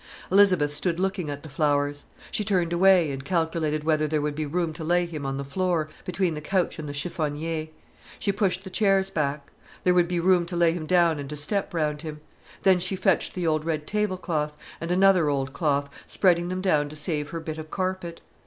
Elizabeth stood looking at the flowers. She turned away, and calculated whether there would be room to lay him on the floor, between the couch and the chiffonier. She pushed the chairs aside. There would be room to lay him down and to step round him. Then she fetched the old red tablecloth, and another old cloth, spreading them down to save her bit of carpet.